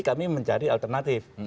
kami mencari alternatif